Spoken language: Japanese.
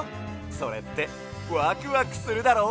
それってワクワクするだろ？